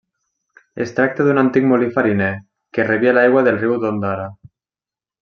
Es tracta d'un antic molí fariner, que rebia l'aigua del riu d'Ondara.